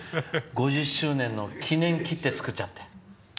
５０周年の記念切手を作っちゃって。